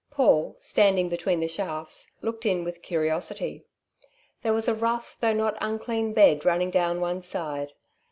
Paul, standing between the shafts, looked in with curiosity. There was a rough though not unclean bed running down one side.